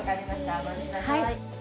お待ちください。